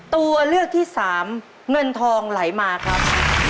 ตัวเลือกที่สามเงินทองไหลมาครับ